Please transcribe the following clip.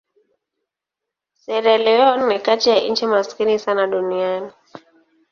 Sierra Leone ni kati ya nchi maskini sana duniani.